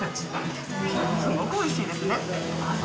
すごくおいしいですね。